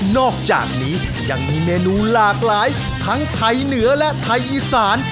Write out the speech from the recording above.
อกจากนี้ยังมีเมนูหลากหลายทั้งไทยเหนือและไทยอีสาน